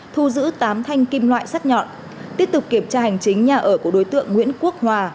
thu giữ tám thanh kim loại sắt nhọn tiếp tục kiểm tra hành chính nhà ở của đối tượng nguyễn quốc hòa